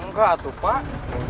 enggak tuh pak